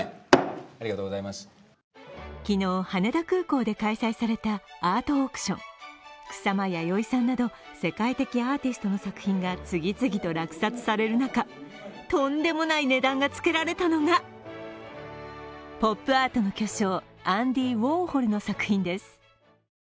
昨日、羽田空港で開催されたアートオークション草間彌生さんなど世界的アーティストの作品が次々と落札される中、とんでもない値段がつけられたのがポップアートの巨匠アンディ・ウォーホルの作品です。